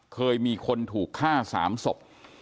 เคยมีคนถูกฆ่า๓ศพ